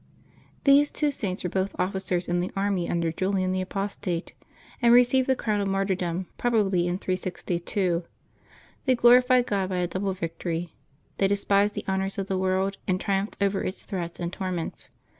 J^xHESB two Saints were both officers in the army tinder \mJ Julian the Apostate, and received the crown of martyrdom, probably in 362. They glorified God by a double victory; they despised the honors of the world, and triumphed over its threats and torments.